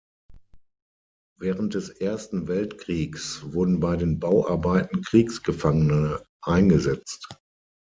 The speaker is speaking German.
Während des Ersten Weltkriegs wurden bei den Bauarbeiten Kriegsgefangene eingesetzt.